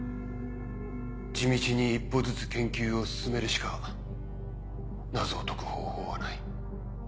地道に一歩ずつ研究を進めるしか謎を解く方法はない。